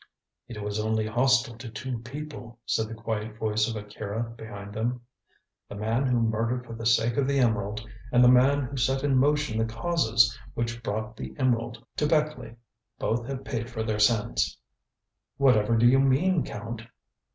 "It was only hostile to two people," said the quiet voice of Akira behind them: "the man who murdered for the sake of the emerald, and the man who set in motion the causes which brought the emerald to Beckleigh. Both have paid for their sins." "Whatever do you mean, Count?"